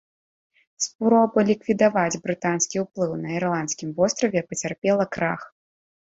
Спроба ліквідаваць брытанскі ўплыў на ірландскім востраве пацярпела крах.